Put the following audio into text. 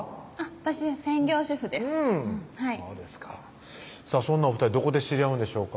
私専業主婦ですそうですかさぁそんなお２人どこで知り合うんでしょうか？